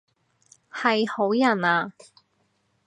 係好人啊？